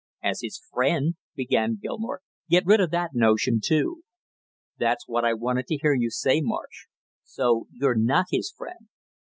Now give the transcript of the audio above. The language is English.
"As his friend " began Gilmore. "Get rid of that notion, too!" "That's what I wanted to hear you say, Marsh! So you're not his friend?"